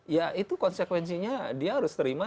ya itu konsekuensinya dia harus terima